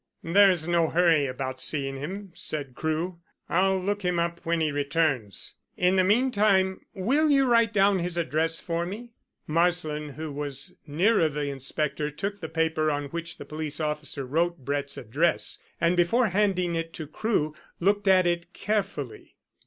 "There is no hurry about seeing him," said Crewe. "I'll look him up when he returns. In the meantime will you write down his address for me?" Marsland, who was nearer the inspector, took the paper on which the police officer wrote Brett's address, and before handing it to Crewe looked at it carefully.